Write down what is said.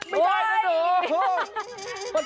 ไม่ได้โอ้โหพระโทษ